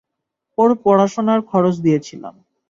ওর পড়াশোনার খরচ দিয়েছিলাম।